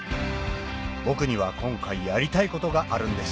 僕には今回やりたいことがあるんです